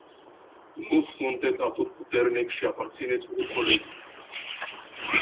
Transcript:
Nu sunteți atotputernic și aparțineți unui colegiu.